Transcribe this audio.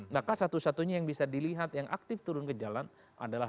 maka satu satunya yang bisa dilihat yang aktif turun ke jalan adalah dua ratus dua belas